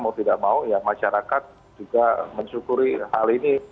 mau tidak mau ya masyarakat juga mensyukuri hal ini